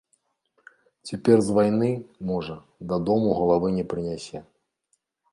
Цяпер з вайны, можа, дадому галавы не прынясе.